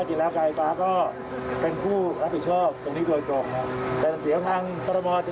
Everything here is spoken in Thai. ดูจุดเสี่ยงให้แต่ละเกณฑ์สำรวจจุดเสี่ยงเพิ่มด้วย